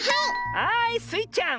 はいスイちゃん！